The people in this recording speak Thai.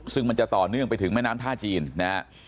ซึ่งมันจะต่อเนื่องไปถึงแม่น้ำท่าจีนนะฮะ